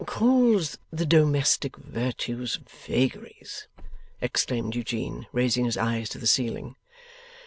'Calls the domestic virtues vagaries!' exclaimed Eugene, raising his eyes to the ceiling.